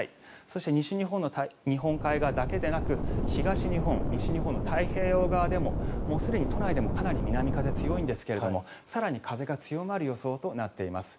そして西日本の日本海側だけでなく東日本、西日本の太平洋側でももうすでに都内でもかなり南風が強いんですが更に風が強まる予想となっています。